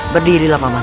berdirilah pak man